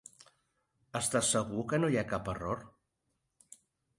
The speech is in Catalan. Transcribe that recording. Estàs segur que no hi ha cap error?